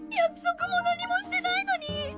約束も何もしてないのに！